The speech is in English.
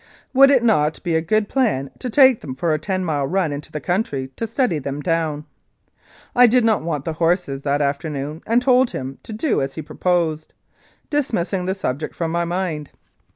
Would it not be a good plan to take them for a ten mile run into the country to steady them down. I did not want the horses that afternoon, and told him to do as he proposed, dis missing the subject from my mind.